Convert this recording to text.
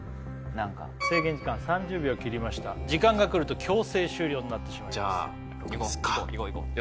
制限時間３０秒を切りました時間が来ると強制終了になってしまいますいきますかよ